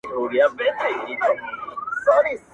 مځکه هغه سوزي چي اور پر بل وي -